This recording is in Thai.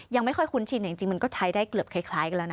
ยังไม่ค่อยคุ้นชินแต่จริงมันก็ใช้ได้เกือบคล้ายกันแล้วนะ